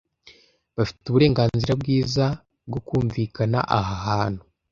Bafite uburenganzira bwiza bwo kumvikana aha hantu. "